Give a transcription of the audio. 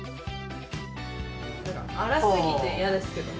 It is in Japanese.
荒すぎて嫌ですけどね。